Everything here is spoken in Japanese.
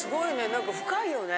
なんか深いよね。